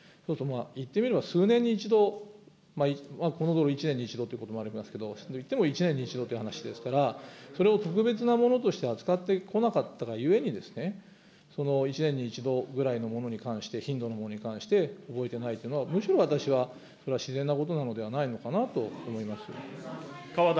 言ってみれば数年に１度、このごろ、１年に１度ということもありますけれども、いっても１年に１度という話ですから、それを特別なものとして扱ってこなかったがゆえに、１年に１度ぐらいのものに関して、頻度のものに関して、覚えてないというのは、むしろ私は、これは自然なことなのではないのかなというふうに思います。